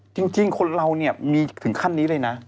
จริงคนเราเนี่ยมีถึงขั้นนี้เลยนะ